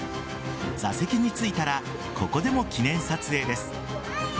座席に着いたらここでも記念撮影です。